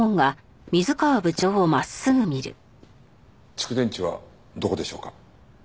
蓄電池はどこでしょうか？